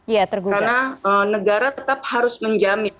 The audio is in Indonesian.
karena negara tetap harus menjamin